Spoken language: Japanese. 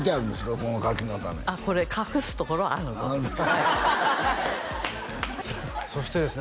この柿の種あっこれ隠すところあるのはいそしてですね